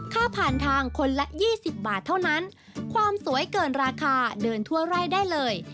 ค่าผ่านทางคนละ๒๐บาทเท่านั้นความสวยเกินราคาเดินทั่วไร่ได้เลย